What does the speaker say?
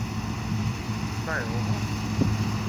И, шта је ово?